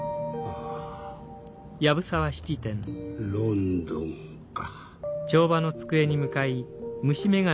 ロンドンか。